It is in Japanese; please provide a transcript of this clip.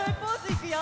いくよ！